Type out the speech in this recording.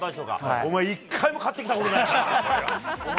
お前、一回も買ってきたことないよな、お前。